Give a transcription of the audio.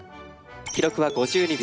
記録は５２秒。